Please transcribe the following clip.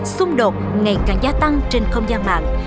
xung đột ngày càng gia tăng trên không gian mạng